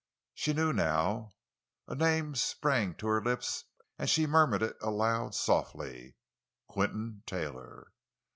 She knew now. A name sprang to her lips, and she murmured it aloud, softly: "Quinton Taylor."